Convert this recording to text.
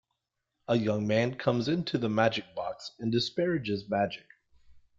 A young man comes into the Magic Box and disparages magic.